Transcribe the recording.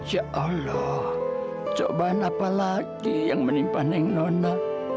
ya allah cobaan apalagi yang menimpan neng nona